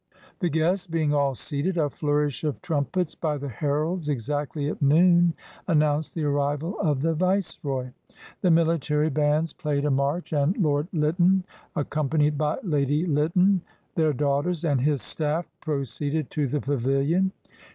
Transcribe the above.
The guests being all seated, a flourish of trumpets by the heralds exactly at noon announced the arrival of the Viceroy. The military bands played a march, QUEEN VICTORIA EMPRESS OF INDIA and Lord Lytton, accompanied by Lady Lytton, their daughters, and his staff, proceeded to the pavilion.